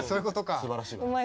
すばらしい。